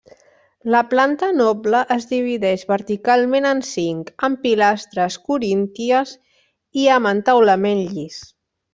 La planta noble es divideix verticalment en cinc, amb pilastres corínties i amb entaulament llis.